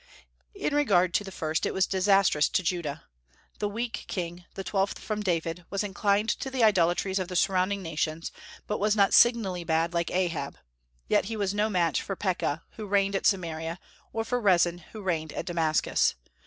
In regard to the first, it was disastrous to Judah. The weak king, the twelfth from David, was inclined to the idolatries of the surrounding nations, but was not signally bad like Ahab. Yet he was no match for Pekah, who reigned at Samaria, or for Rezin, who reigned at Damascus.